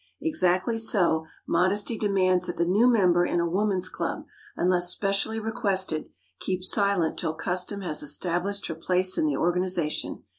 Exactly so, modesty demands that the new member in a woman's club, unless specially requested, keep silent till custom has established her place in the organization.